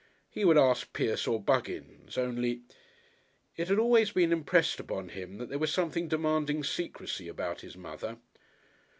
He would ask Pierce or Buggins. Only It had always been impressed upon him that there was something demanding secrecy about his mother.